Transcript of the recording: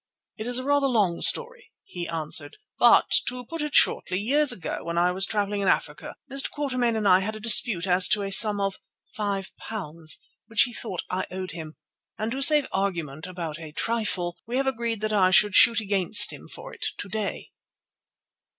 "It is rather a long story," he answered, "but, to put it shortly, years ago, when I was travelling in Africa, Mr. Quatermain and I had a dispute as to a sum of £5 which he thought I owed him, and to save argument about a trifle we have agreed that I should shoot against him for it to day."